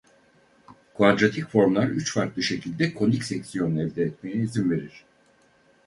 Kuadratik formlar üç farklı şekilde konik seksiyon elde etmeye izin verir.